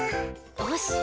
よし。